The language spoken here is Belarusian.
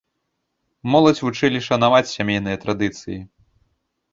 Моладзь вучылі шанаваць сямейныя традыцыі.